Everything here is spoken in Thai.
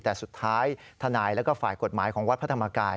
แต่สุดท้ายทนายแล้วก็ฝ่ายกฎหมายของวัดพระธรรมกาย